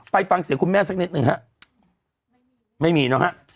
ไปฟังเสียงคุณแม่สักนิดหนึ่งฮะไม่มีเนอะฮะ